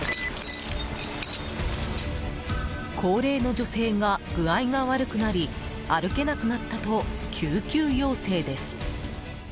高齢の女性が具合が悪くなり歩けなくなったと救急要請です。